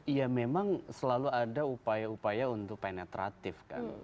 ya memang selalu ada upaya upaya untuk penetratif kan